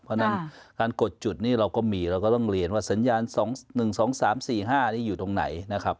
เพราะฉะนั้นการกดจุดนี้เราก็มีเราก็ต้องเรียนว่าสัญญาณ๒๑๒๓๔๕นี่อยู่ตรงไหนนะครับ